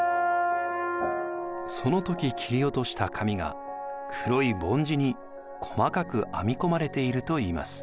その時切り落とした髪が黒いぼん字に細かく編み込まれているといいます。